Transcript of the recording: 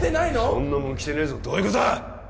そんなもんきてねえぞどういうことだ